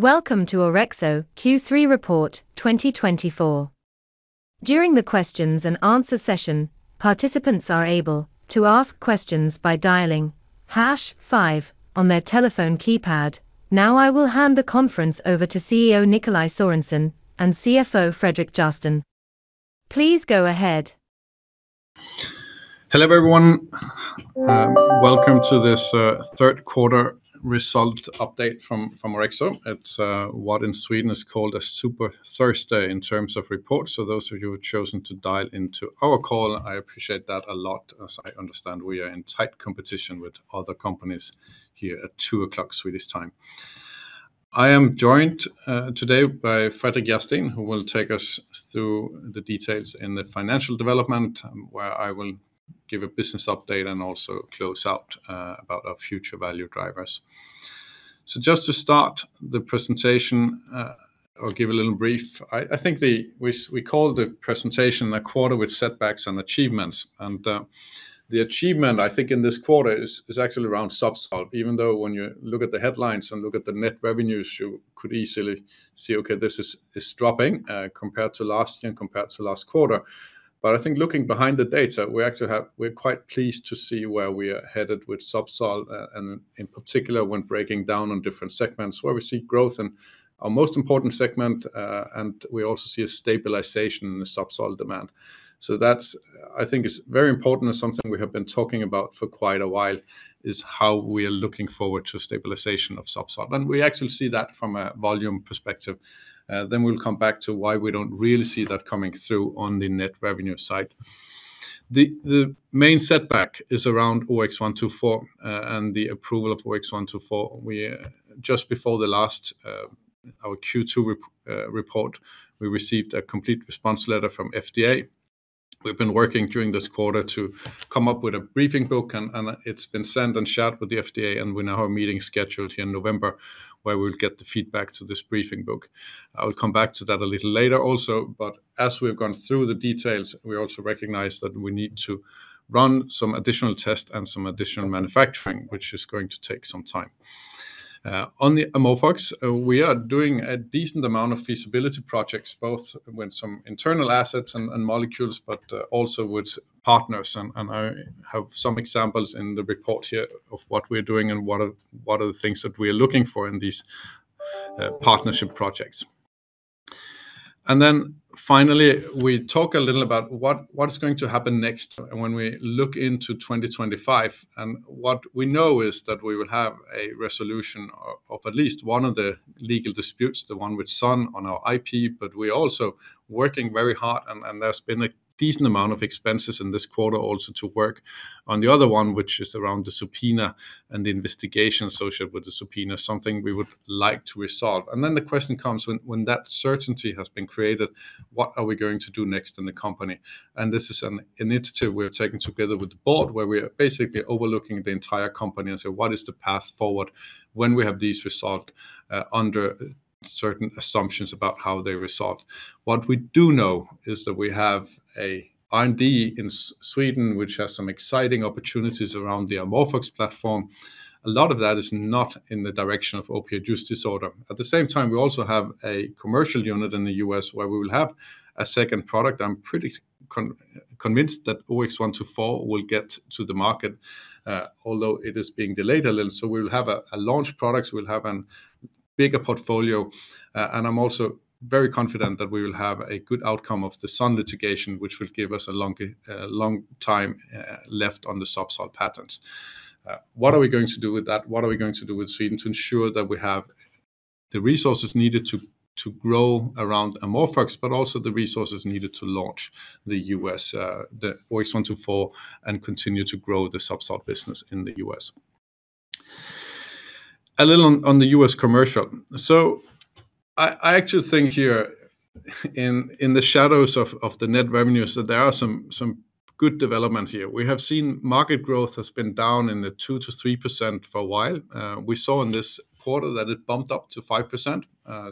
Welcome to Orexo Q3 Report 2024. During the questions and answer session, participants are able to ask questions by dialing hash five on their telephone keypad. Now, I will hand the conference over to CEO Nikolaj Sørensen and CFO Fredrik Järrsten. Please go ahead. Hello, everyone. Welcome to this third quarter result update from Orexo. It's what in Sweden is called a Super Thursday in terms of reports. So those of you who have chosen to dial into our call, I appreciate that a lot, as I understand we are in tight competition with other companies here at 2:00 P.M. Swedish time. I am joined today by Fredrik Järrsten, who will take us through the details in the financial development, where I will give a business update and also close out about our future value drivers. So just to start the presentation, I'll give a little brief. I think the. We call the presentation a quarter with setbacks and achievements, and the achievement, I think, in this quarter is actually around Zubsolv. Even though when you look at the headlines and look at the net revenues, you could easily see, okay, this is dropping compared to last year and compared to last quarter. But I think looking behind the data, we actually have. We're quite pleased to see where we are headed with Zubsolv and in particular, when breaking down on different segments where we see growth in our most important segment and we also see a stabilization in the Zubsolv demand. So that's, I think is very important and something we have been talking about for quite a while, is how we are looking forward to stabilization of Zubsolv. And we actually see that from a volume perspective, then we'll come back to why we don't really see that coming through on the net revenue side. The main setback is around OX124 and the approval of OX124. We just before the last our Q2 report, we received a complete response letter from FDA. We've been working during this quarter to come up with a briefing book, and it's been sent and shared with the FDA, and we now have a meeting scheduled here in November, where we'll get the feedback to this briefing book. I'll come back to that a little later also, but as we've gone through the details, we also recognize that we need to run some additional tests and some additional manufacturing, which is going to take some time. On the AmorphOX, we are doing a decent amount of feasibility projects, both with some internal assets and molecules, but also with partners. I have some examples in the report here of what we're doing and what are the things that we are looking for in these partnership projects. Then finally, we talk a little about what is going to happen next when we look into twenty twenty-five. What we know is that we will have a resolution of at least one of the legal disputes, the one with Sun on our IP. But we're also working very hard, and there's been a decent amount of expenses in this quarter also to work on the other one, which is around the subpoena and the investigation associated with the subpoena, something we would like to resolve. Then the question comes, when that certainty has been created, what are we going to do next in the company? This is an initiative we're taking together with the board, where we are basically overlooking the entire company and say, "What is the path forward when we have these resolved, under certain assumptions about how they're resolved?" What we do know is that we have R&D in Sweden, which has some exciting opportunities around the AmorphOX platform. A lot of that is not in the direction of opioid use disorder. At the same time, we also have a commercial unit in the U.S. where we will have a second product. I'm pretty convinced that OX124 will get to the market, although it is being delayed a little. So we'll have a launch product, we'll have a bigger portfolio, and I'm also very confident that we will have a good outcome of the Sun litigation, which will give us a long time left on the Zubsolv patents. What are we going to do with that? What are we going to do with Sweden to ensure that we have the resources needed to grow around AmorphOX, but also the resources needed to launch the U.S., the OX124, and continue to grow the Zubsolv business in the U.S.? A little on the U.S. commercial. So I actually think here, in the shadows of the net revenues, that there are some good development here. We have seen market growth has been down in the 2%-3% for a while. We saw in this quarter that it bumped up to 5%.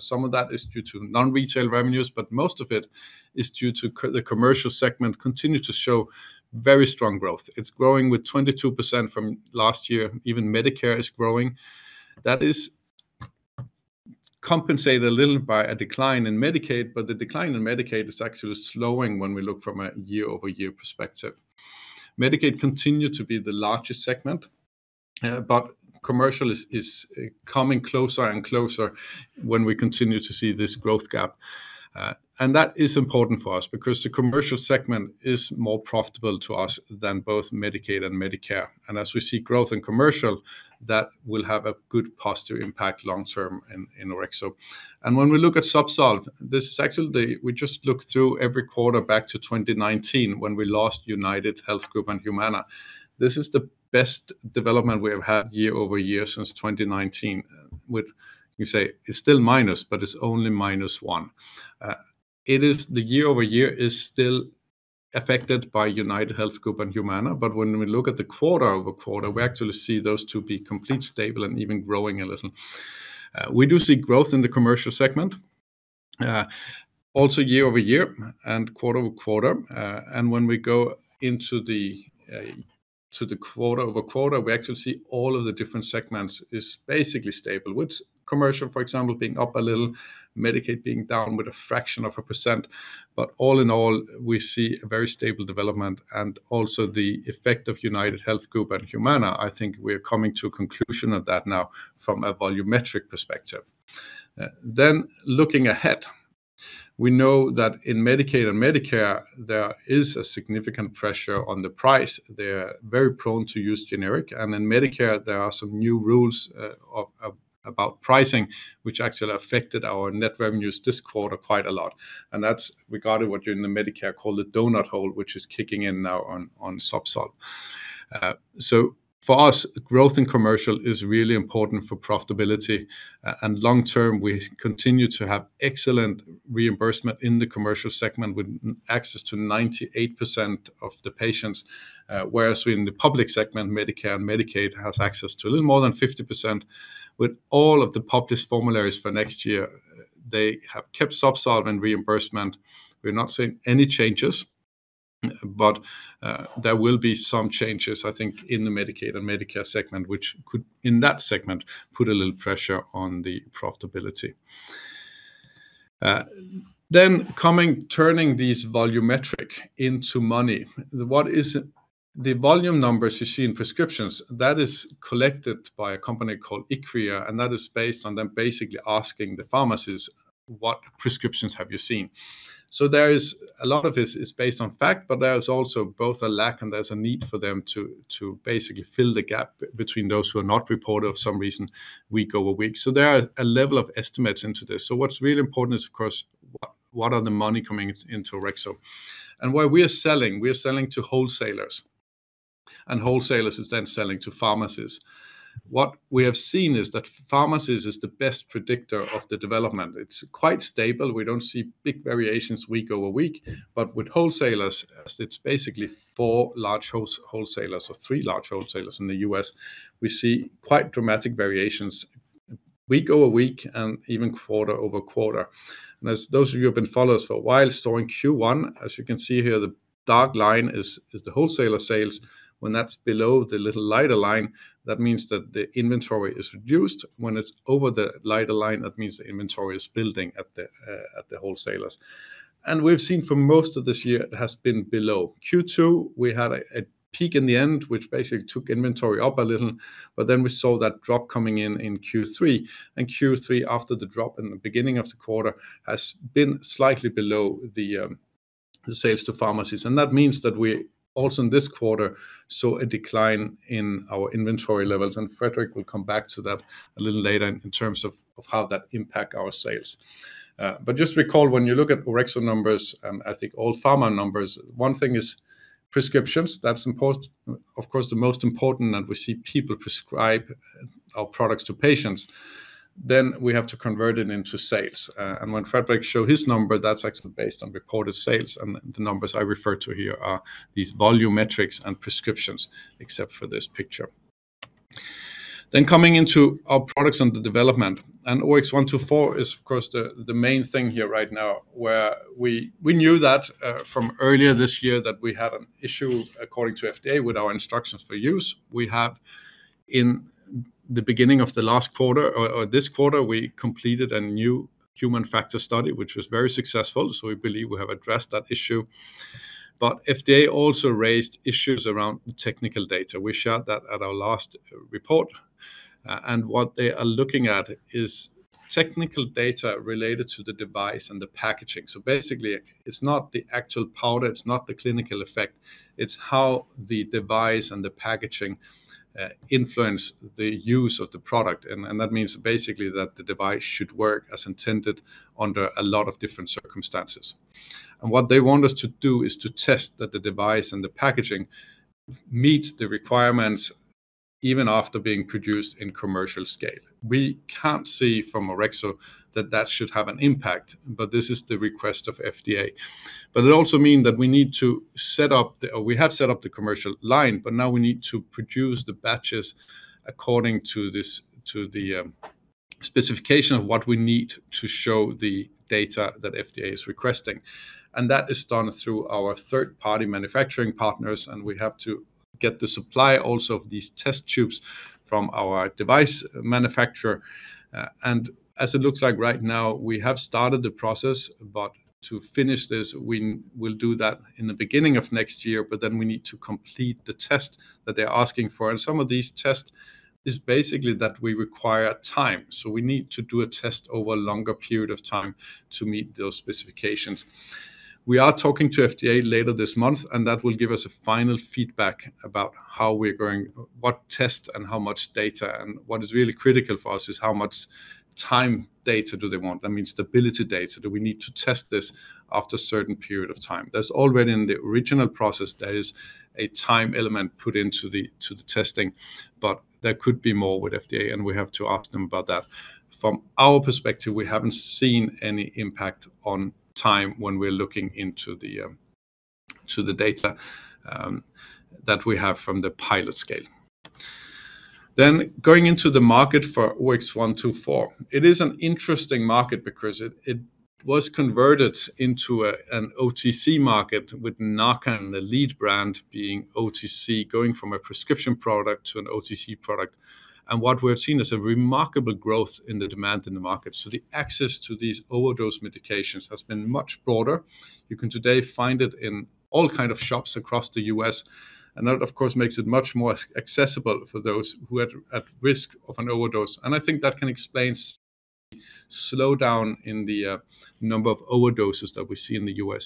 Some of that is due to non-retail revenues, but most of it is due to the commercial segment continue to show very strong growth. It's growing with 22% from last year. Even Medicare is growing. That is compensated a little by a decline in Medicaid, but the decline in Medicaid is actually slowing when we look from a year-over-year perspective. Medicaid continue to be the largest segment, but commercial is, is coming closer and closer when we continue to see this growth gap. And that is important for us because the commercial segment is more profitable to us than both Medicaid and Medicare. As we see growth in commercial, that will have a good positive impact long term in Orexo. When we look at Zubsolv, this is actually the one we just looked through every quarter back to 2019, when we lost UnitedHealth Group and Humana. This is the best development we have had year-over-year since 2019, with, you say, it's still minus, but it's only -1%. It is. The year-over-year is still affected by UnitedHealth Group and Humana, but when we look at the quarter-over-quarter, we actually see those two be complete, stable, and even growing a little. We do see growth in the commercial segment. Also year-over-year and quarter-over-quarter, and when we go into the to the quarter-over-quarter, we actually see all of the different segments is basically stable, with commercial, for example, being up a little, Medicaid being down with a fraction of a percent. But all in all, we see a very stable development and also the effect of UnitedHealth Group and Humana. I think we're coming to a conclusion of that now from a volumetric perspective. Then looking ahead, we know that in Medicaid and Medicare, there is a significant pressure on the price. They're very prone to use generic, and in Medicare, there are some new rules of about pricing, which actually affected our net revenues this quarter quite a lot. And that's regarding what, during the Medicare, called the donut hole, which is kicking in now on Zubsolv. So for us, growth in commercial is really important for profitability, and long term, we continue to have excellent reimbursement in the commercial segment, with access to 98% of the patients. Whereas in the public segment, Medicare and Medicaid, has access to a little more than 50%. With all of the published formularies for next year, they have kept Zubsolv in reimbursement. We're not seeing any changes, but there will be some changes, I think, in the Medicaid and Medicare segment, which could, in that segment, put a little pressure on the profitability. Then coming turning these volumetric into money, what is the volume numbers you see in prescriptions? That is collected by a company called IQVIA, and that is based on them basically asking the pharmacies, "What prescriptions have you seen?" So there is a lot of this is based on fact, but there is also both a lack and there's a need for them to basically fill the gap between those who are not reported of some reason, week-over-week. So there are a level of estimates into this. So what's really important is, of course, what, what are the money coming into Orexo? And where we are selling, we are selling to wholesalers, and wholesalers is then selling to pharmacies. What we have seen is that pharmacies is the best predictor of the development. It's quite stable. We don't see big variations week-over-week, but with wholesalers, it's basically four large wholesalers or three large wholesalers in the U.S. We see quite dramatic variations, week-over-week and even quarter-over-quarter. And as those of you who have been followers for a while, so in Q1, as you can see here, the dark line is the wholesaler sales. When that's below the little lighter line, that means that the inventory is reduced. When it's over the lighter line, that means the inventory is building at the wholesalers. And we've seen for most of this year, it has been below. Q2, we had a peak in the end, which basically took inventory up a little, but then we saw that drop coming in in Q3. And Q3, after the drop in the beginning of the quarter, has been slightly below the sales to pharmacies. And that means that we also in this quarter saw a decline in our inventory levels, and Fredrik will come back to that a little later in terms of how that impact our sales. But just recall, when you look at Orexo numbers and I think all pharma numbers, one thing is prescriptions. That's important, of course, the most important, that we see people prescribe our products to patients. Then we have to convert it into sales. And when Fredrik showed his number, that's actually based on recorded sales, and the numbers I refer to here are these volumetrics and prescriptions, except for this picture, then coming into our products and the development, and OX124 is of course the main thing here right now, where we knew that from earlier this year that we had an issue, according to FDA, with our instructions for use. We have in the beginning of the last quarter or this quarter we completed a new human factor study, which was very successful. So we believe we have addressed that issue. But FDA also raised issues around technical data. We shared that at our last report, and what they are looking at is technical data related to the device and the packaging. So basically, it's not the actual powder, it's not the clinical effect, it's how the device and the packaging influence the use of the product. And that means basically that the device should work as intended under a lot of different circumstances. And what they want us to do is to test that the device and the packaging meet the requirements even after being produced in commercial scale. We can't see from Orexo that that should have an impact, but this is the request of FDA. But it also mean that we need to set up the... We have set up the commercial line, but now we need to produce the batches according to this, to the specification of what we need to show the data that FDA is requesting. And that is done through our third-party manufacturing partners, and we have to get the supply also of these test tubes from our device manufacturer. And as it looks like right now, we have started the process, but to finish this, we will do that in the beginning of next year, but then we need to complete the test that they're asking for. And some of these tests is basically that we require time, so we need to do a test over a longer period of time to meet those specifications. We are talking to FDA later this month, and that will give us a final feedback about how we're going, what tests and how much data, and what is really critical for us is how much time data do they want. That means stability data. Do we need to test this after a certain period of time? That's already in the original process. There is a time element put into the, to the testing, but there could be more with FDA, and we have to ask them about that. From our perspective, we haven't seen any impact on time when we're looking into the, to the data, that we have from the pilot scale. Then going into the market for OX124. It is an interesting market because it, it was converted into a, an OTC market, with Narcan, the lead brand, being OTC, going from a prescription product to an OTC product. And what we've seen is a remarkable growth in the demand in the market. So the access to these overdose medications has been much broader. You can today find it in all kind of shops across the U.S., and that, of course, makes it much more accessible for those who are at risk of an overdose. And I think that can explain the slowdown in the number of overdoses that we see in the U.S.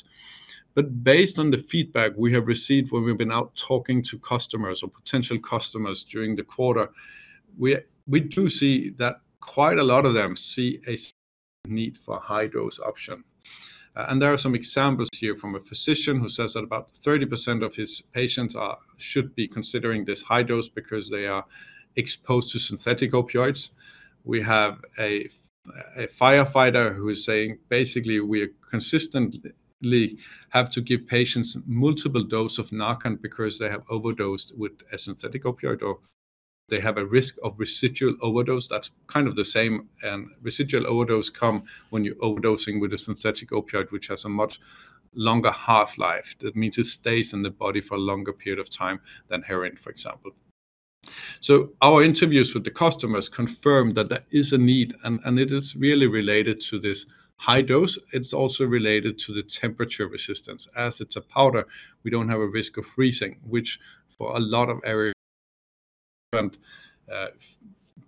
But based on the feedback we have received when we've been out talking to customers or potential customers during the quarter, we do see that quite a lot of them see a need for a high-dose option. And there are some examples here from a physician who says that about 30% of his patients are, should be considering this high dose because they are exposed to synthetic opioids. We have a firefighter who is saying, basically, "We consistently have to give patients multiple dose of Narcan because they have overdosed with a synthetic opioid, or they have a risk of residual overdose," that's kind of the same. Residual overdose come when you're overdosing with a synthetic opioid, which has a much longer half-life. That means it stays in the body for a longer period of time than heroin, for example. So our interviews with the customers confirm that there is a need, and it is really related to this high dose. It's also related to the temperature resistance. As it's a powder, we don't have a risk of freezing, which for a lot of areas,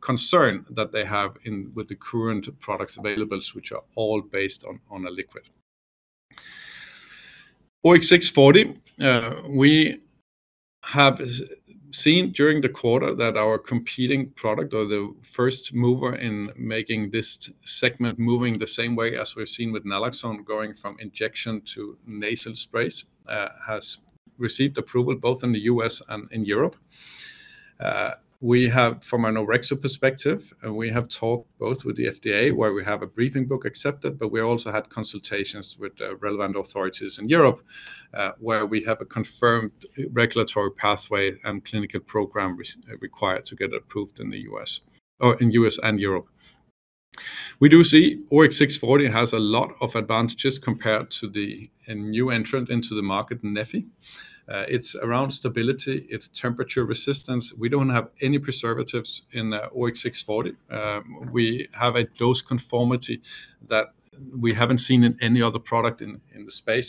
concern that they have with the current products available, which are all based on a liquid. OX640, we have seen during the quarter that our competing product, or the first mover in making this segment, moving the same way as we've seen with naloxone, going from injection to nasal sprays, has received approval both in the U.S. and in Europe. We have, from an Orexo perspective, we have talked both with the FDA, where we have a briefing book accepted, but we also had consultations with the relevant authorities in Europe, where we have a confirmed regulatory pathway and clinical program required to get approved in the U.S. and Europe. We do see OX640 has a lot of advantages compared to the, a new entrant into the market, Neffy. It's around stability, it's temperature resistance. We don't have any preservatives in the OX640. We have a dose conformity that we haven't seen in any other product in the space.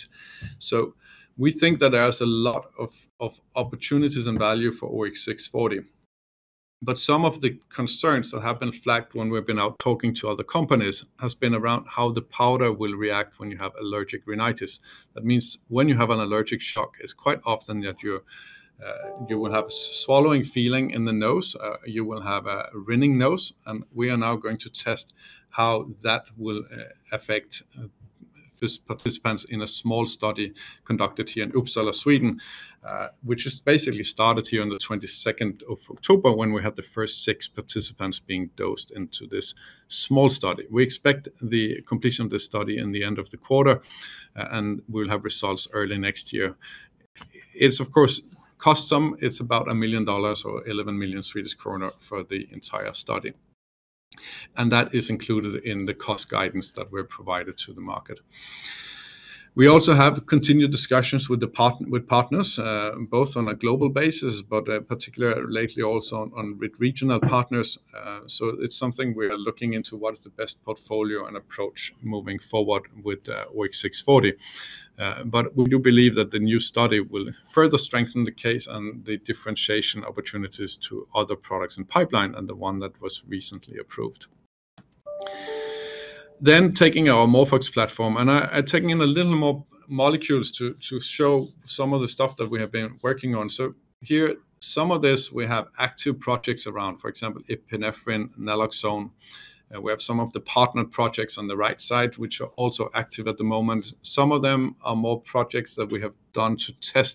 So we think that there's a lot of opportunities and value for OX640. But some of the concerns that have been flagged when we've been out talking to other companies has been around how the powder will react when you have allergic rhinitis. That means when you have an allergic shock, it's quite often that you will have swollen feeling in the nose, you will have a runny nose, and we are now going to test how that will affect these participants in a small study conducted here in Uppsala, Sweden, which is basically started here on the twenty-second of October, when we had the first six participants being dosed into this small study. We expect the completion of this study in the end of the quarter, and we'll have results early next year. It's, of course, cost some. It's about $1 million or 11 million Swedish kronor for the entire study, and that is included in the cost guidance that we've provided to the market. We also have continued discussions with the partner, with partners, both on a global basis, but, particularly lately also on with regional partners. So it's something we are looking into, what is the best portfolio and approach moving forward with OX640. But we do believe that the new study will further strengthen the case and the differentiation opportunities to other products and pipeline, and the one that was recently approved. Taking our AmorphOX platform, I've taken in a little more molecules to show some of the stuff that we have been working on. So here, some of this we have active projects around, for example, epinephrine, naloxone, and we have some of the partner projects on the right side, which are also active at the moment. Some of them are more projects that we have done to test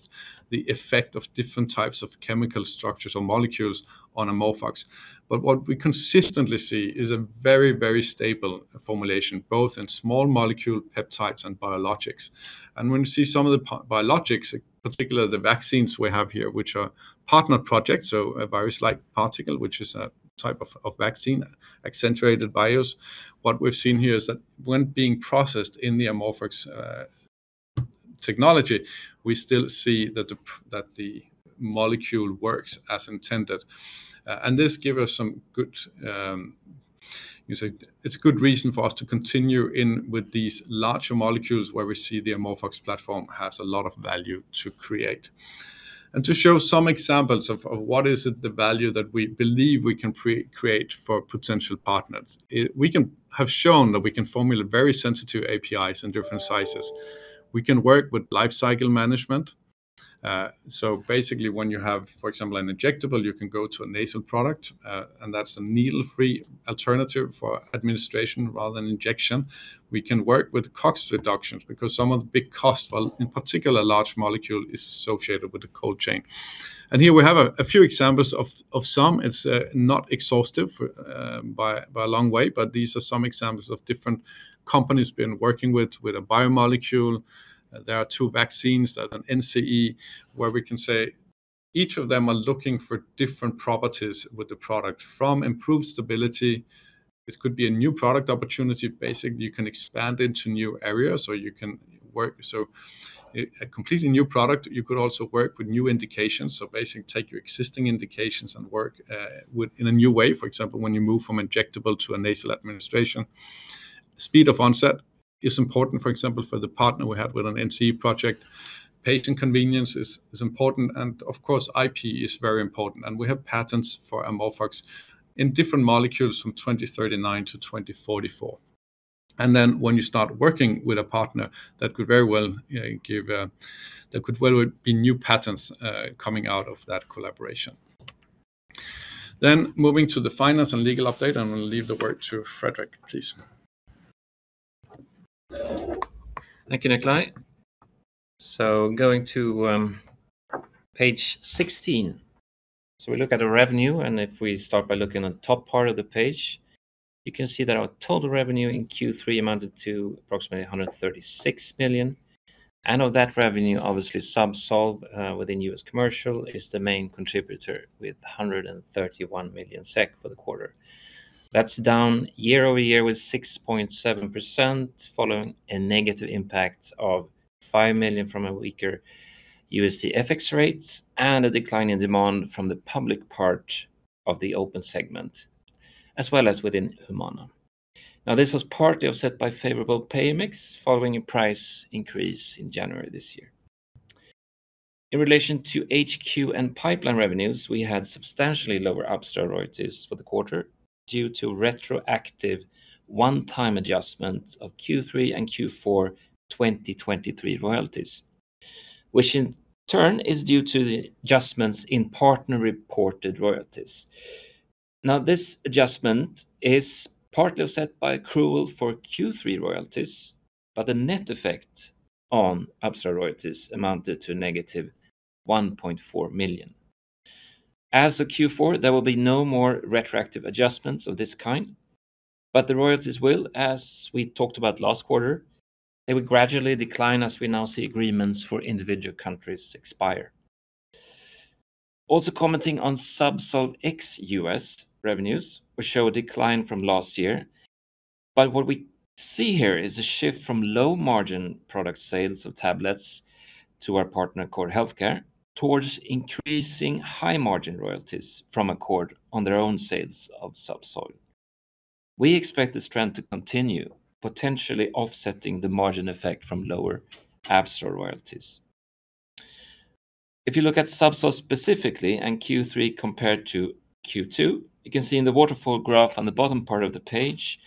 the effect of different types of chemical structures or molecules on AmorphOX. But what we consistently see is a very, very stable formulation, both in small molecule peptides and biologics. When you see some of the biologics, in particular, the vaccines we have here, which are partner projects, so a virus-like particle, which is a type of vaccine, Abera Bioscience. What we've seen here is that when being processed in the AmorphOX technology, we still see that the molecule works as intended. And this give us some good, you say. It's a good reason for us to continue in with these larger molecules, where we see the AmorphOX platform has a lot of value to create. And to show some examples of the value that we believe we can create for potential partners. We have shown that we can formulate very sensitive APIs in different sizes. We can work with life cycle management. So basically, when you have, for example, an injectable, you can go to a nasal product, and that's a needle-free alternative for administration rather than injection. We can work with costs reductions, because some of the big costs, well, in particular large molecule, is associated with the cold chain. And here we have a few examples of some. It's not exhaustive by a long way, but these are some examples of different companies we've been working with a biomolecule. There are two vaccines and an NCE, where we can say each of them are looking for different properties with the product from improved stability. It could be a new product opportunity, basically, you can expand into new areas, or you can work. So a completely new product, you could also work with new indications. So basically take your existing indications and work with in a new way. For example, when you move from injectable to a nasal administration. Speed of onset is important, for example, for the partner we have with an NCE project. Patient convenience is important, and of course, IP is very important, and we have patents for AmorphOX in different molecules from 2039 to 2044. When you start working with a partner, that could very well, you know, there could well be new patents coming out of that collaboration. Moving to the finance and legal update, and I'll leave the word to Fredrik, please. Thank you, Nikolaj. So going to page 16. So we look at the revenue, and if we start by looking at the top part of the page, you can see that our total revenue in Q3 amounted to approximately 136 million. And of that revenue, obviously, Zubsolv within U.S. commercial is the main contributor, with 131 million SEK for the quarter. That's down year-over-year with 6.7%, following a negative impact of 5 million from a weaker USD FX rates and a decline in demand from the public part of the open segment, as well as within Humana. Now, this was partly offset by favorable payer mix, following a price increase in January this year. In relation to HQ and pipeline revenues, we had substantially lower Abstral royalties for the quarter due to retroactive one-time adjustment of Q3 and Q4 twenty twenty-three royalties, which in turn is due to the adjustments in partner-reported royalties. Now, this adjustment is partly offset by accrual for Q3 royalties, but the net effect on Abstral royalties amounted to -1.4 million. As of Q4, there will be no more retroactive adjustments of this kind, but the royalties will, as we talked about last quarter, they will gradually decline as we now see agreements for individual countries expire. Also commenting on Zubsolv ex-U.S. revenues, which show a decline from last year. But what we see here is a shift from low margin product sales of tablets to our partner, Accord Healthcare, towards increasing high margin royalties from Accord on their own sales of Zubsolv. We expect this trend to continue, potentially offsetting the margin effect from lower Abstral royalties. If you look at Zubsolv specifically and Q3 compared to Q2, you can see in the waterfall graph on the bottom part of the page,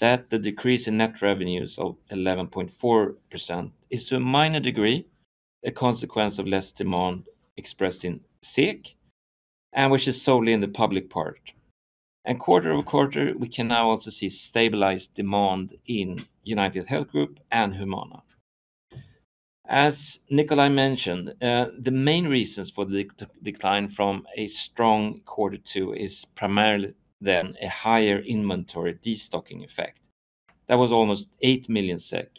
that the decrease in net revenues of 11.4% is to a minor degree, a consequence of less demand expressed in SEK, and which is solely in the public part. And quarter-over-quarter, we can now also see stabilized demand in UnitedHealth Group and Humana. As Nikolaj mentioned, the main reasons for the decline from a strong quarter two is primarily then a higher inventory destocking effect. That was almost 8 million SEK.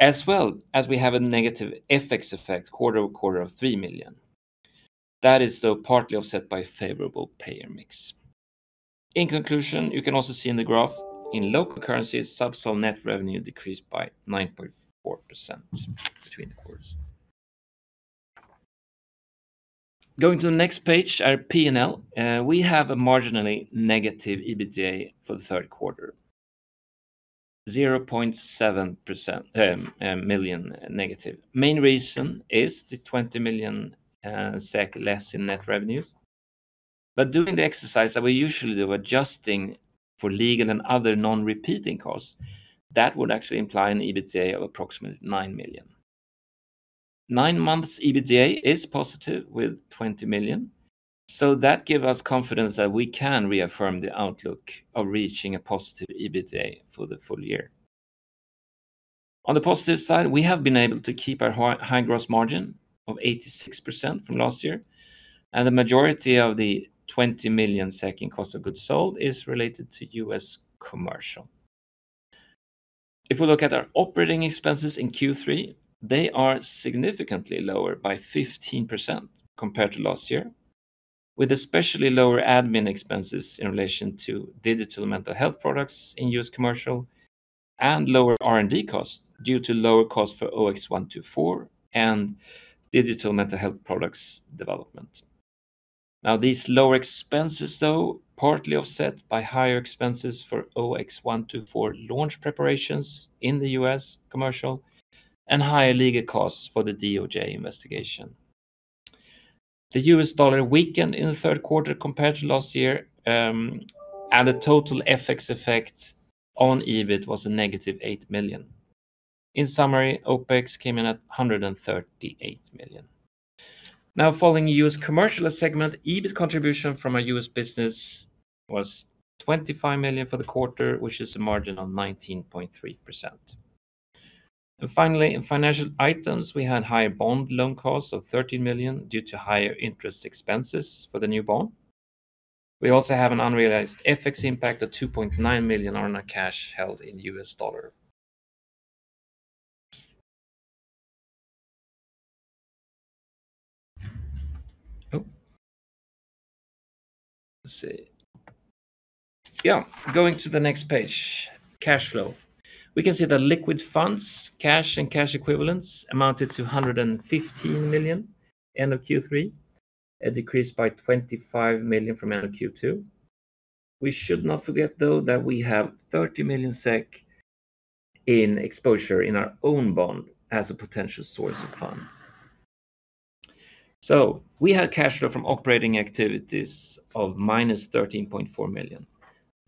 As well as we have a negative FX effect, quarter-over-quarter of 3 million. That is, though, partly offset by favorable payer mix. In conclusion, you can also see in the graph in local currency, Zubsolv net revenue decreased by 9.4% between the quarters. Going to the next page, our P&L. We have a marginally negative EBITDA for the third quarter, -0.7 million. Main reason is the 20 million SEK less in net revenues. But doing the exercise that we usually do, adjusting for legal and other non-repeating costs, that would actually imply an EBITDA of approximately 9 million. Nine months EBITDA is positive, with 20 million, so that give us confidence that we can reaffirm the outlook of reaching a positive EBITDA for the full year. On the positive side, we have been able to keep our high gross margin of 86% from last year, and the majority of the 20 million in cost of goods sold is related to U.S. commercial. If we look at our operating expenses in Q3, they are significantly lower by 15% compared to last year, with especially lower admin expenses in relation to digital mental health products in U.S. commercial and lower R&D costs due to lower cost for OX124 and digital mental health products development. Now, these lower expenses, though, partly offset by higher expenses for OX124 launch preparations in the U.S. commercial and higher legal costs for the DOJ investigation. The U.S. dollar weakened in the third quarter compared to last year, and the total FX effect on EBIT was a -8 million. In summary, OpEx came in at 138 million. Now, following U.S. commercial segment, EBIT contribution from our U.S. business was 25 million for the quarter, which is a margin on 19.3%. And finally, in financial items, we had higher bond loan costs of 13 million due to higher interest expenses for the new bond. We also have an unrealized FX impact of 2.9 million on our cash held in U.S. dollar. Oh, let's see. Yeah, going to the next page, cash flow. We can see the liquid funds, cash, and cash equivalents amounted to 115 million end of Q3, a decrease by 25 million from end of Q2. We should not forget, though, that we have 30 million SEK in exposure in our own bond as a potential source of funds. We had cash flow from operating activities of -13.4 million.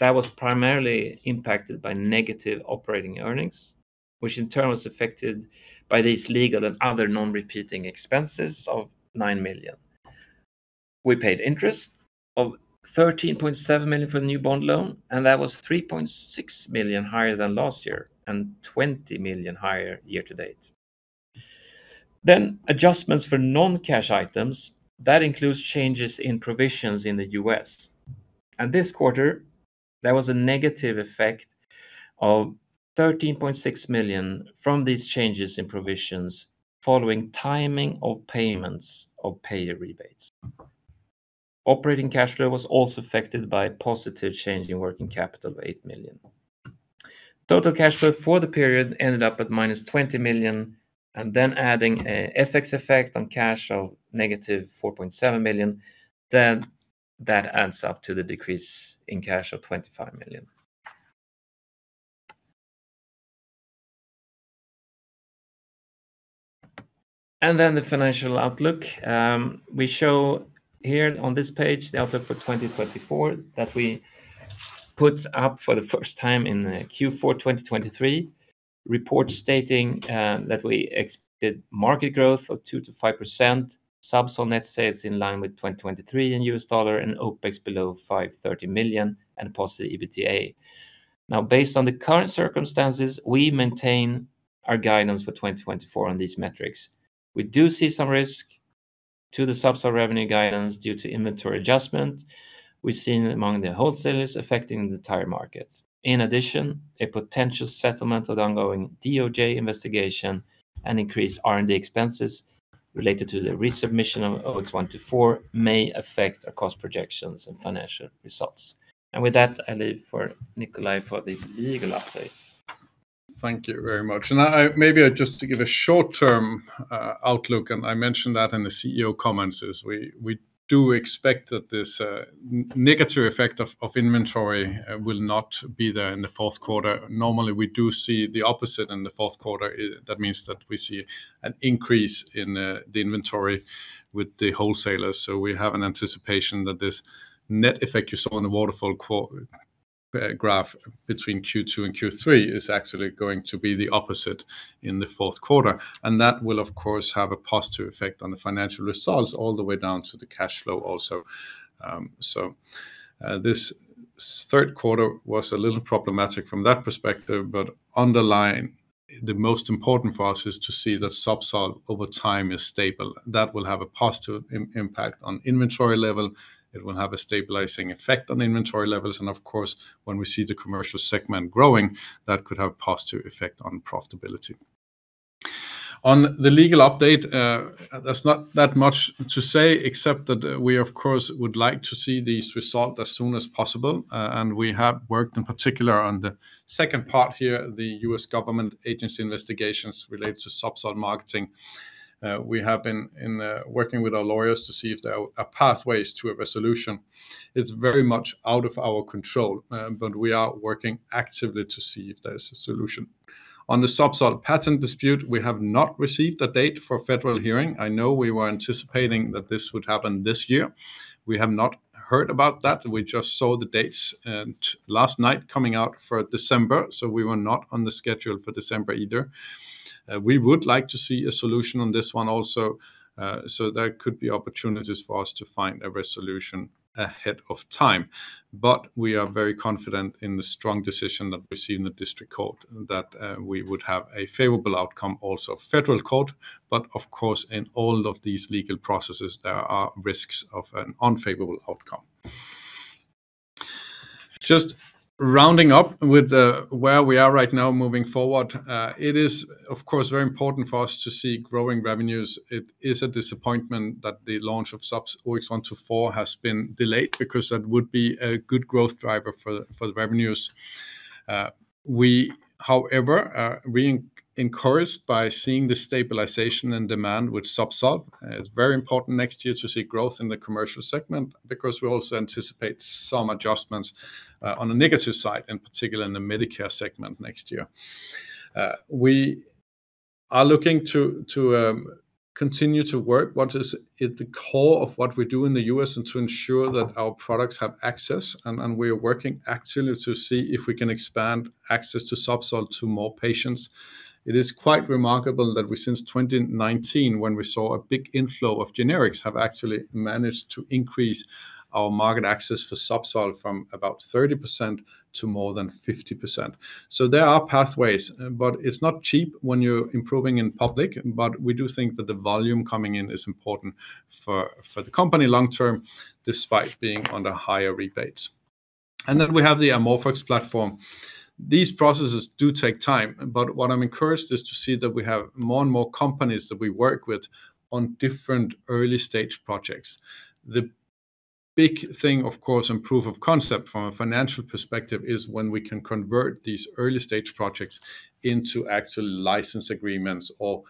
That was primarily impacted by negative operating earnings, which in turn was affected by these legal and other non-recurring expenses of 9 million. We paid interest of 13.7 million for the new bond loan, and that was 3.6 million higher than last year and 20 million higher year to date. Adjustments for non-cash items include changes in provisions in the U.S. This quarter, there was a negative effect of 13.6 million from these changes in provisions following timing of payments of payer rebates. Operating cash flow was also affected by a positive change in working capital of 8 million. Total cash flow for the period ended up at -20 million, and then adding a FX effect on cash of -4.7 million, then that adds up to the decrease in cash of 25 million. Then the financial outlook, we show here on this page the outlook for 2024, that we put up for the first time in the Q4 2023 report, stating that we expected market growth of 2%-5%, Zubsolv net sales in line with 2023 in USD, and OpEx below 530 million and positive EBITDA. Now, based on the current circumstances, we maintain our guidance for 2024 on these metrics. We do see some risk to the Zubsolv revenue guidance due to inventory adjustments we've seen among the wholesalers affecting the entire market. In addition, a potential settlement of ongoing DOJ investigation and increased R&D expenses related to the resubmission of OX124 may affect our cost projections and financial results. And with that, I leave for Nikolaj for the legal update. Thank you very much. And maybe just to give a short-term outlook, and I mentioned that in the CEO comments, is we do expect that this negative effect of inventory will not be there in the fourth quarter. Normally, we do see the opposite in the fourth quarter. That means that we see an increase in the inventory with the wholesalers. So we have an anticipation that this net effect you saw on the waterfall quote graph between Q2 and Q3 is actually going to be the opposite in the fourth quarter, and that will, of course, have a positive effect on the financial results all the way down to the cash flow also. So, this third quarter was a little problematic from that perspective, but underlying, the most important for us is to see that Zubsolv over time is stable. That will have a positive impact on inventory level. It will have a stabilizing effect on the inventory levels, and of course, when we see the commercial segment growing, that could have a positive effect on profitability. On the legal update, there's not that much to say except that we, of course, would like to see these results as soon as possible, and we have worked in particular on the second part here, the U.S. government agency investigations related to Zubsolv marketing. We have been working with our lawyers to see if there are pathways to a resolution. It's very much out of our control, but we are working actively to see if there is a solution. On the Zubsolv patent dispute, we have not received a date for federal hearing. I know we were anticipating that this would happen this year. We have not heard about that. We just saw the dates, last night coming out for December, so we were not on the schedule for December either. We would like to see a solution on this one also, so there could be opportunities for us to find a resolution ahead of time. But we are very confident in the strong decision that we see in the district court, that, we would have a favorable outcome, also federal court, but of course, in all of these legal processes, there are risks of an unfavorable outcome. Just rounding up with where we are right now moving forward, it is, of course, very important for us to see growing revenues. It is a disappointment that the launch of Zubsolv OX124 has been delayed because that would be a good growth driver for the revenues. We, however, are encouraged by seeing the stabilization and demand with Zubsolv. It's very important next year to see growth in the commercial segment because we also anticipate some adjustments on the negative side, in particular in the Medicare segment next year. We are looking to continue to work what is at the core of what we do in the U.S. and to ensure that our products have access, and we are working actively to see if we can expand access to Zubsolv to more patients. It is quite remarkable that we, since 2019, when we saw a big inflow of generics, have actually managed to increase our market access for Zubsolv from about 30% to more than 50%. So there are pathways, but it's not cheap when you're improving in public, but we do think that the volume coming in is important for the company long term, despite being under higher rebates. And then we have the AmorphOX platform. These processes do take time, but what I'm encouraged is to see that we have more and more companies that we work with on different early stage projects. The big thing, of course, and proof of concept from a financial perspective, is when we can convert these early stage projects into actual license agreements or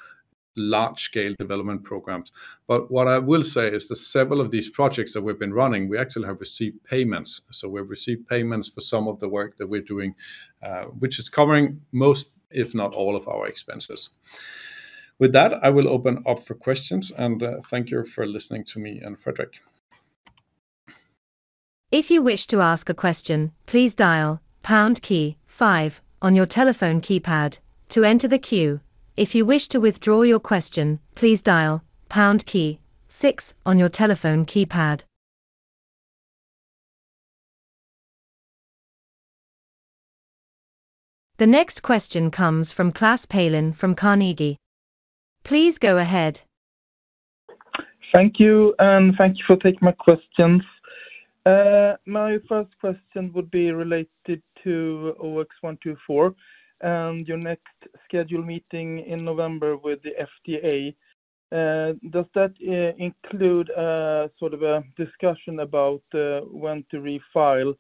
large-scale development programs. But what I will say is that several of these projects that we've been running, we actually have received payments. So we've received payments for some of the work that we're doing, which is covering most, if not all, of our expenses. With that, I will open up for questions, and thank you for listening to me and Fredrik Järrsten. If you wish to ask a question, please dial pound key five on your telephone keypad to enter the queue. If you wish to withdraw your question, please dial pound key six on your telephone keypad. The next question comes from Klas Palin from Carnegie. Please go ahead. Thank you, and thank you for taking my questions. My first question would be related to OX124 and your next scheduled meeting in November with the FDA. Does that sort of a discussion about when to refile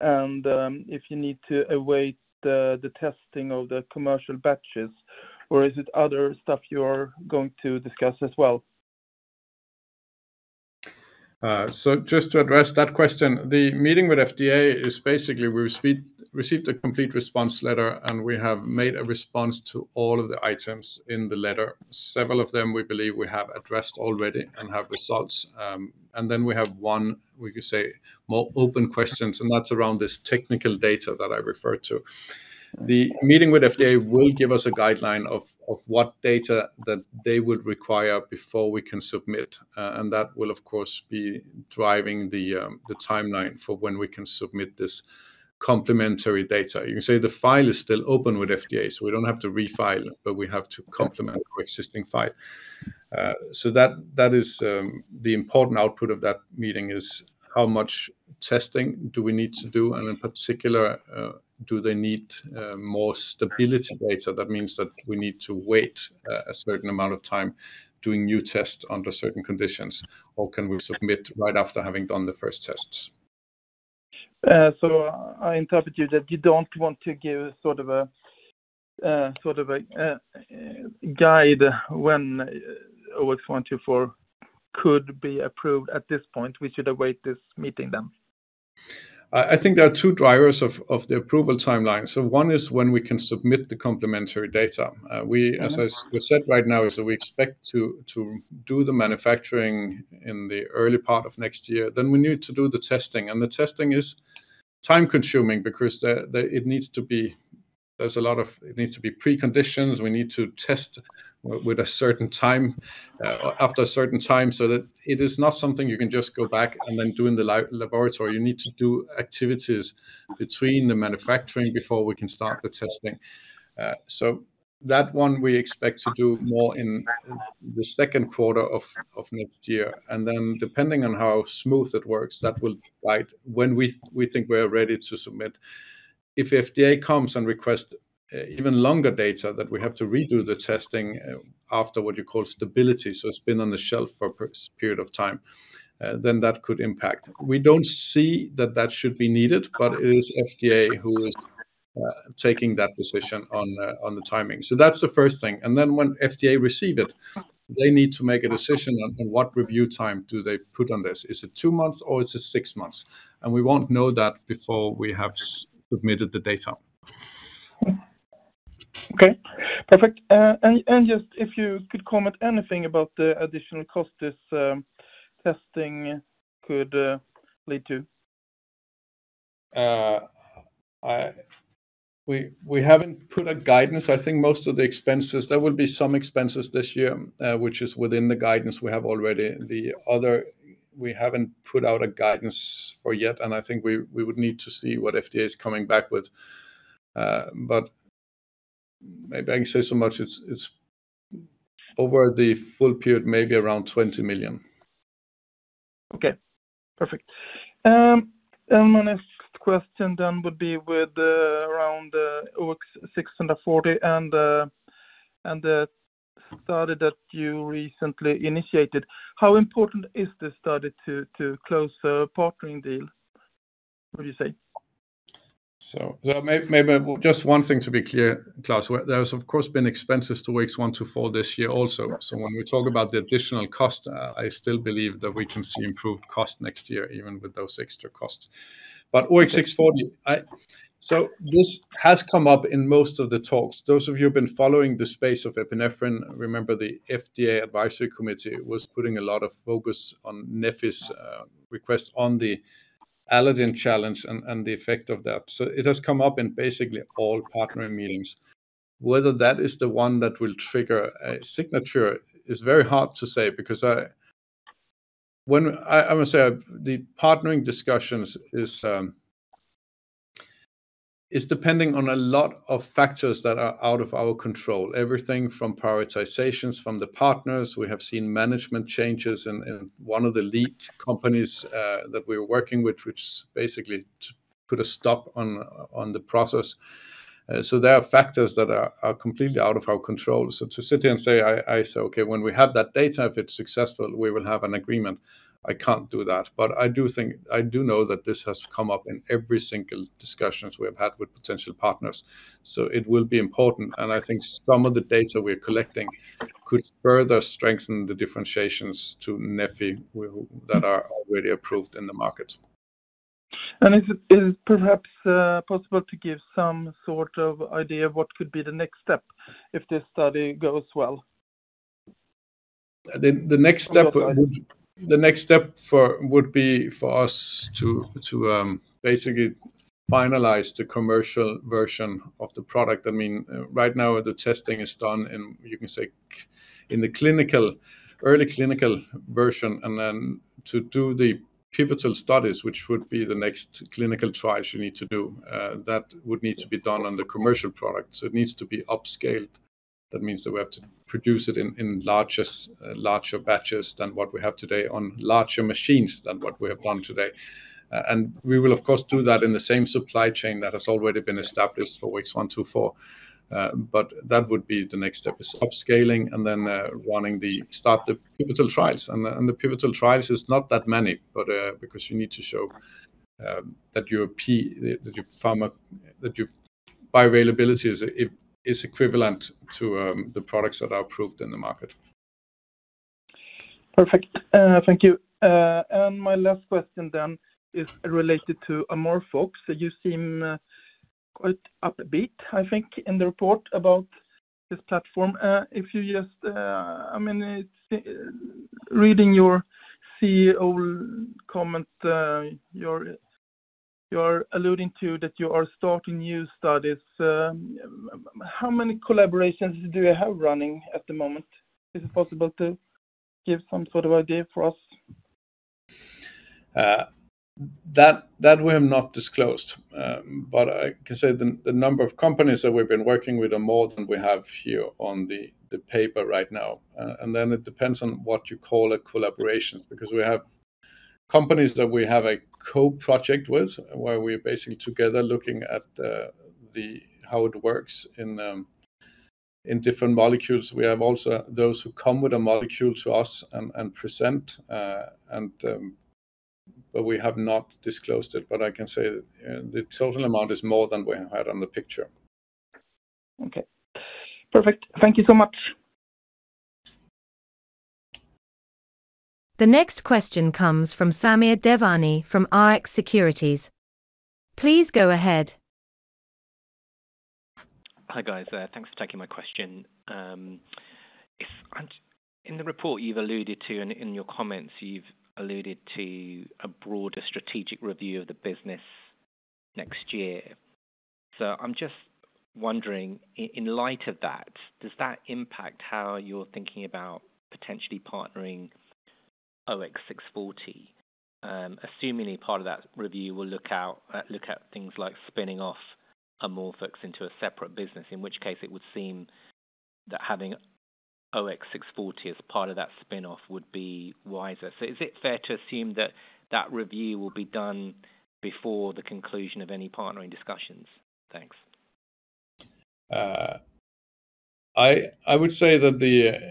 and if you need to await the testing of the commercial batches, or is it other stuff you are going to discuss as well? So just to address that question, the meeting with FDA is basically, we've received a complete response letter, and we have made a response to all of the items in the letter. Several of them we believe we have addressed already and have results. And then we have one, we could say, more open questions, and that's around this technical data that I referred to. The meeting with FDA will give us a guideline of what data that they would require before we can submit. And that will, of course, be driving the timeline for when we can submit this complementary data. You can say the file is still open with FDA, so we don't have to refile, but we have to complement our existing file. So that, that is the important output of that meeting, is how much testing do we need to do, and in particular, do they need more stability data? That means that we need to wait a certain amount of time doing new tests under certain conditions, or can we submit right after having done the first tests? So I interpret you that you don't want to give sort of a guide when OX124 could be approved at this point. We should await this meeting then. I think there are two drivers of the approval timeline. So one is when we can submit the complementary data. As I said right now is that we expect to do the manufacturing in the early part of next year, then we need to do the testing. And the testing is time-consuming because it needs to be preconditions. We need to test with a certain time after a certain time, so that it is not something you can just go back and then do in the laboratory. You need to do activities between the manufacturing before we can start the testing. So that one we expect to do more in the second quarter of next year, and then depending on how smooth it works, that will guide when we think we are ready to submit. If FDA comes and requests even longer data that we have to redo the testing after what you call stability, so it's been on the shelf for a period of time, then that could impact. We don't see that that should be needed, but it is FDA who is taking that decision on the timing. So that's the first thing. And then when FDA receive it, they need to make a decision on what review time do they put on this. Is it two months, or is it six months? And we won't know that before we have submitted the data. Okay, perfect. And just if you could comment anything about the additional cost this testing could lead to. We haven't put a guidance. I think most of the expenses, there would be some expenses this year, which is within the guidance we have already. The other, we haven't put out a guidance for yet, and I think we would need to see what FDA is coming back with. But I can say so much, it's over the full period, maybe around 20 million. Okay, perfect, and my next question then would be with around OX640 and the study that you recently initiated. How important is this study to close a partnering deal? What do you say? So, maybe just one thing to be clear, Klas, there has, of course, been expenses to OX124 this year also. So when we talk about the additional cost, I still believe that we can see improved cost next year, even with those extra costs. But OX640, so this has come up in most of the talks. Those of you who've been following the space of epinephrine, remember the FDA advisory committee was putting a lot of focus on Neffy request on the allergen challenge and the effect of that. So it has come up in basically all partnering meetings. Whether that is the one that will trigger a signature is very hard to say because I must say, the partnering discussions is. It's depending on a lot of factors that are out of our control. Everything from prioritizations from the partners. We have seen management changes in one of the lead companies that we're working with, which basically put a stop on the process. So there are factors that are completely out of our control. So to sit here and say, I say, "Okay, when we have that data, if it's successful, we will have an agreement." I can't do that, but I do think I do know that this has come up in every single discussions we have had with potential partners. So it will be important, and I think some of the data we're collecting could further strengthen the differentiations to Neffy that are already approved in the market. Is it perhaps possible to give some sort of idea of what could be the next step if this study goes well? The next step would be for us to basically finalize the commercial version of the product. I mean, right now, the testing is done in, you can say, the early clinical version, and then to do the pivotal studies, which would be the next clinical trials you need to do, that would need to be done on the commercial product, so it needs to be upscaled. That means that we have to produce it in larger batches than what we have today, on larger machines than what we have done today, and we will, of course, do that in the same supply chain that has already been established for weeks one to four, but that would be the next step, is upscaling and then start the pivotal trials. The pivotal trials is not that many, but because you need to show that your P, that your pharma, that your bioavailability is equivalent to the products that are approved in the market. Perfect. Thank you. My last question then is related to AmorphOX. You seem quite upbeat, I think, in the report about this platform. If you just, I mean, it's reading your CEO comment, you're alluding to that you are starting new studies. How many collaborations do you have running at the moment? Is it possible to give some sort of idea for us? That we have not disclosed, but I can say the number of companies that we've been working with are more than we have here on the paper right now, and then it depends on what you call a collaboration, because we have companies that we have a co-project with, where we are basically together looking at how it works in different molecules. We have also those who come with a molecule to us and present, but we have not disclosed it, but I can say the total amount is more than we had on the picture. Okay, perfect. Thank you so much. The next question comes from Samir Devani from Rx Securities. Please go ahead. Hi, guys. Thanks for taking my question. If in the report you've alluded to, and in your comments, you've alluded to a broader strategic review of the business next year. So I'm just wondering, in light of that, does that impact how you're thinking about potentially partnering OX640? Assuming part of that review will look at things like spinning off AmorphOX into a separate business, in which case it would seem that having OX640 as part of that spin-off would be wiser. So is it fair to assume that that review will be done before the conclusion of any partnering discussions? Thanks. I would say that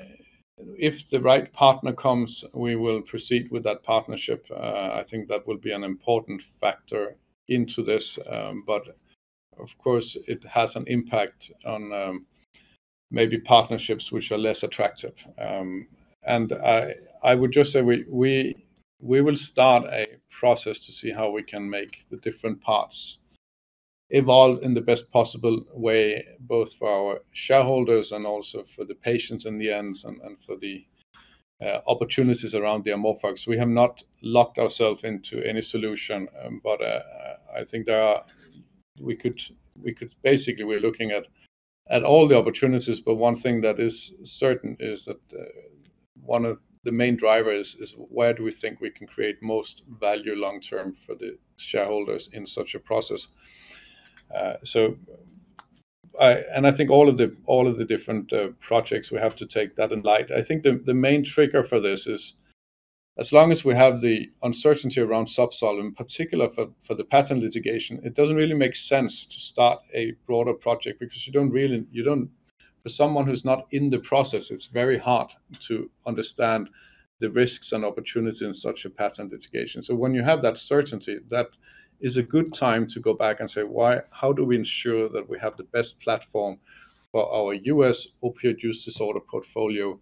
if the right partner comes, we will proceed with that partnership. I think that would be an important factor into this, but of course, it has an impact on maybe partnerships which are less attractive. And I would just say we will start a process to see how we can make the different parts evolve in the best possible way, both for our shareholders and also for the patients in the end, and for the opportunities around the AmorphOX. We have not locked ourselves into any solution, but I think there are... We could basically, we're looking at all the opportunities, but one thing that is certain is that one of the main drivers is where do we think we can create most value long term for the shareholders in such a process? So, I think all of the different projects, we have to take that in light. I think the main trigger for this is, as long as we have the uncertainty around Zubsolv, in particular for the patent litigation, it doesn't really make sense to start a broader project, because you don't really. For someone who's not in the process, it's very hard to understand the risks and opportunities in such a patent litigation. So when you have that certainty, that is a good time to go back and say, "Why- how do we ensure that we have the best platform for our U.S. opioid use disorder portfolio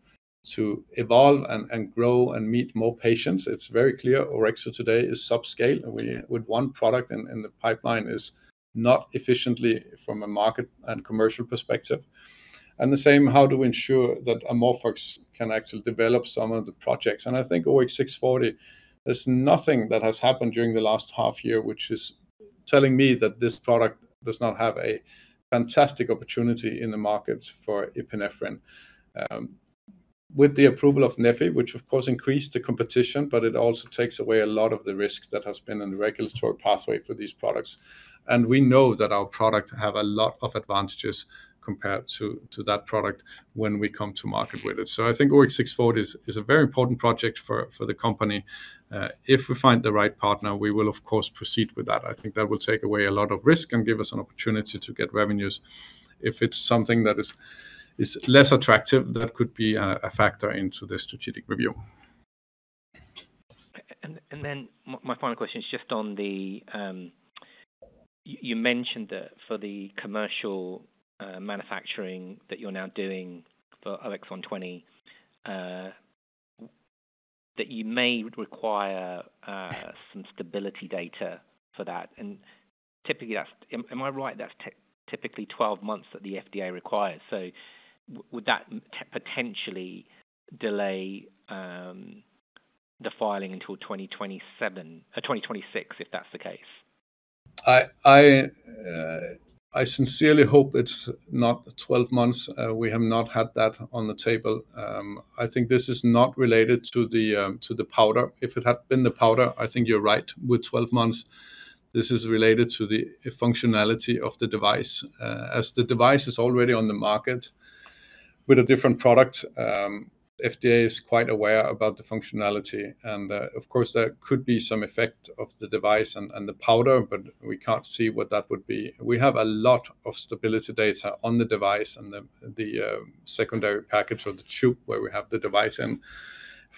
to evolve and grow and meet more patients?" It's very clear Orexo today is subscale, with one product, and the pipeline is not efficient from a market and commercial perspective. And the same, how do we ensure that AmorphOX can actually develop some of the projects? And I think OX640, there's nothing that has happened during the last half year, which is telling me that this product does not have a fantastic opportunity in the market for epinephrine. With the approval of Neffy, which of course increased the competition, but it also takes away a lot of the risk that has been in the regulatory pathway for these products. And we know that our product have a lot of advantages compared to that product when we come to market with it. So I think OX640 is a very important project for the company. If we find the right partner, we will, of course, proceed with that. I think that will take away a lot of risk and give us an opportunity to get revenues. If it's something that is less attractive, that could be a factor into the strategic review. Then my final question is just on the you mentioned that for the commercial manufacturing that you're now doing for OX124, that you may require some stability data for that. Typically, am I right, that's typically 12 months that the FDA requires? So would that potentially delay the filing until 2027, 2026, if that's the case? I sincerely hope it's not 12 months. We have not had that on the table. I think this is not related to the powder. If it had been the powder, I think you're right, with 12 months. This is related to the functionality of the device. As the device is already on the market with a different product, FDA is quite aware about the functionality, and of course, there could be some effect of the device and the powder, but we can't see what that would be. We have a lot of stability data on the device and the secondary package or the tube where we have the device in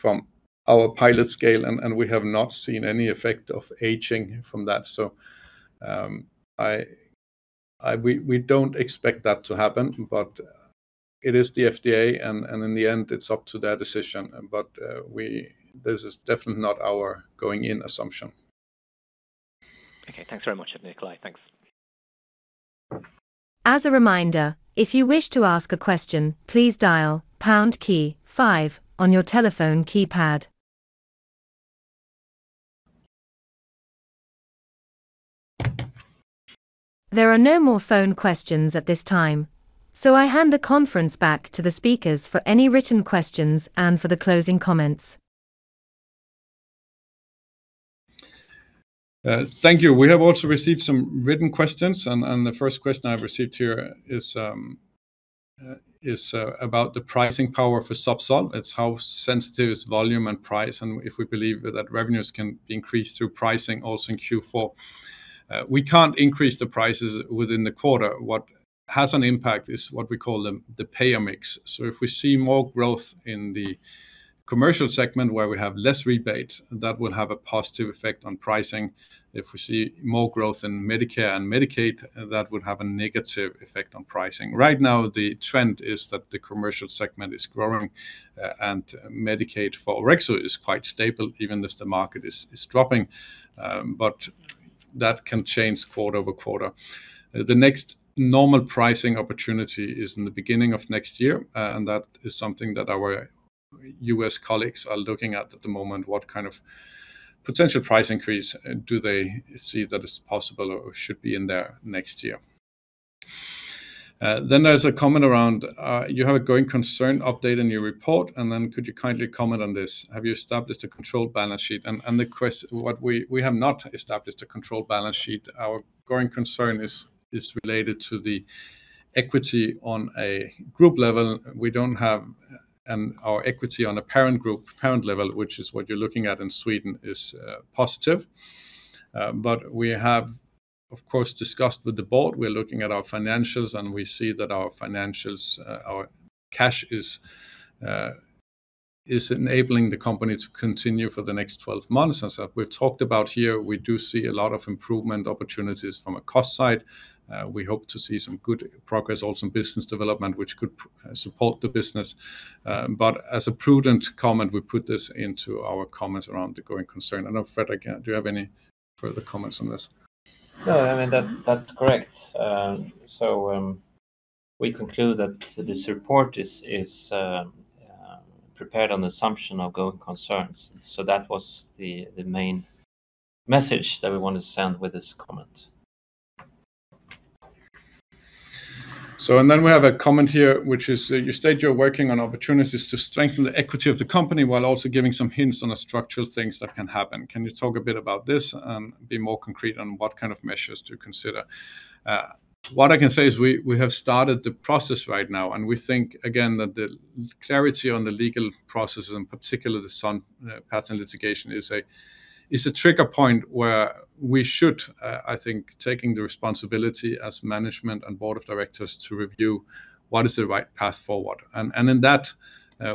from our pilot scale, and we have not seen any effect of aging from that. We don't expect that to happen, but it is the FDA, and in the end, it's up to their decision. But, we... this is definitely not our going-in assumption. Okay. Thanks very much, Nikolaj. Thanks. As a reminder, if you wish to ask a question, please dial pound key five on your telephone keypad. There are no more phone questions at this time, so I hand the conference back to the speakers for any written questions and for the closing comments. Thank you. We have also received some written questions, and the first question I've received here is about the pricing power for Zubsolv. It's how sensitive is volume and price, and if we believe that revenues can increase through pricing also in Q4. We can't increase the prices within the quarter. What has an impact is what we call the payer mix. So if we see more growth in the commercial segment, where we have less rebates, that would have a positive effect on pricing. If we see more growth in Medicare and Medicaid, that would have a negative effect on pricing. Right now, the trend is that the commercial segment is growing, and Medicaid for Orexo is quite stable, even if the market is dropping, but that can change quarter-over-quarter. The next normal pricing opportunity is in the beginning of next year, and that is something that our U.S. colleagues are looking at the moment, what kind of potential price increase do they see that is possible or should be in there next year? Then there's a comment around you have a going concern update in your report, and then could you kindly comment on this? Have you established a consolidated balance sheet? We have not established a consolidated balance sheet. Our going concern is related to the equity on a group level. We don't have our equity on a parent group, parent level, which is what you're looking at in Sweden, is positive. But we have, of course, discussed with the board. We're looking at our financials, and we see that our financials, our cash is enabling the company to continue for the next 12 months, and so we've talked about here. We do see a lot of improvement opportunities from a cost side. We hope to see some good progress, also in business development, which could support the business, but as a prudent comment, we put this into our comments around the going concern. I know, Fredrik, do you have any further comments on this? No, I mean, that, that's correct. So, we conclude that this report is prepared on the assumption of going concern. So that was the main message that we wanted to send with this comment. So and then we have a comment here, which is, you state you are working on opportunities to strengthen the equity of the company, while also giving some hints on the structural things that can happen. Can you talk a bit about this and be more concrete on what kind of measures to consider? What I can say is we, we have started the process right now, and we think, again, that the clarity on the legal process, and in particular, the Sun patent litigation, is a trigger point where we should, I think, taking the responsibility as management and board of directors to review what is the right path forward. And in that,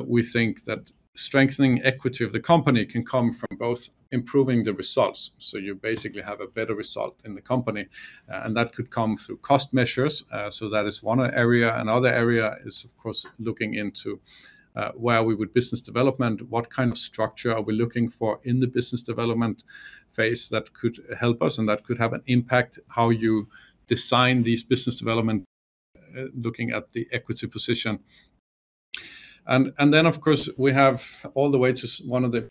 we think that strengthening equity of the company can come from both improving the results. So you basically have a better result in the company, and that could come through cost measures. So that is one area. Another area is, of course, looking into where we would business development, what kind of structure are we looking for in the business development phase that could help us, and that could have an impact how you design these business development, looking at the equity position. And then, of course, we have all the way to one of the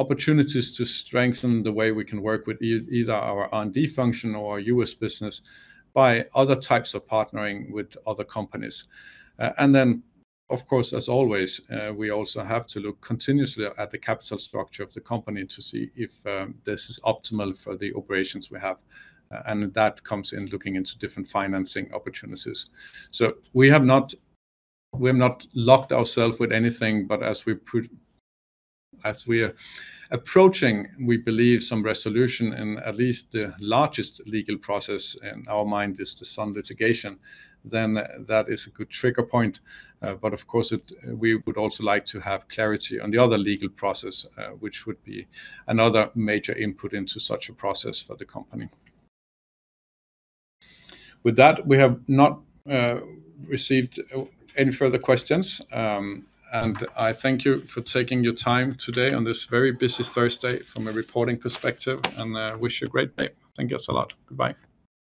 opportunities to strengthen the way we can work with either our R&D function or our U.S. business, by other types of partnering with other companies. And then, of course, as always, we also have to look continuously at the capital structure of the company to see if this is optimal for the operations we have. And that comes in looking into different financing opportunities. So we have not locked ourselves with anything, but as we are approaching, we believe some resolution in at least the largest legal process in our mind is the Sun litigation, then that is a good trigger point. But of course, we would also like to have clarity on the other legal process, which would be another major input into such a process for the company. With that, we have not received any further questions. And I thank you for taking your time today on this very busy Thursday from a reporting perspective, and wish you a great day. Thank you so much. Goodbye.